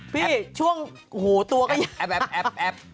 พี่ช่วงหูตวก็แย่